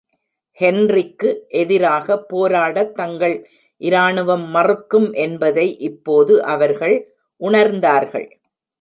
ஹென்றிக்கு எதிராக போராட தங்கள் இராணுவம் மறுக்கும் என்பதை இப்போது அவர்கள் உணர்ந்தார்கள்.